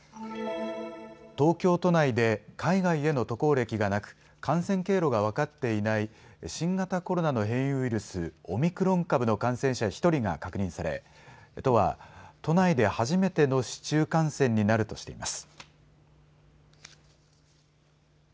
東京都内で海外への渡航歴がなく感染経路が分かっていない新型コロナの変異ウイルス、オミクロン株の感染者１人が確認され都は都内で初めての市中感染になるとしています。